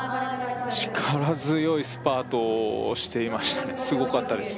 力強いスパートをしていましたねすごかったです